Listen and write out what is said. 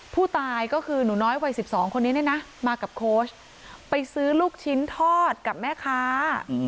ผู้ตายก็คือหนูน้อยวัย๑๒คนนี้เนี่ยนะมากับโค้ชไปซื้อลูกชิ้นทอดกับแม่ค้า